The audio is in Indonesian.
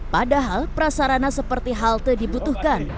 padahal prasarana seperti halte dibutuhkan